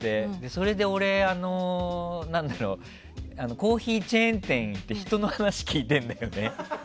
それで俺コーヒーチェーン店行って人の話を聞いてるんだよね。